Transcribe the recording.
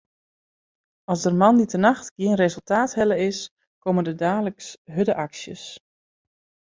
As der moandeitenacht gjin resultaat helle is, komme der daliks hurde aksjes.